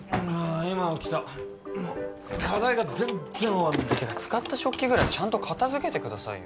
今起きたもう課題が全然終わんねえ使った食器ぐらいちゃんと片づけてくださいよ